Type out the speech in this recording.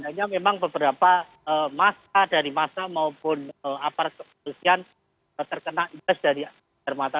dan memang beberapa masa dari masa maupun apa keputusan terkena iblis dari jermata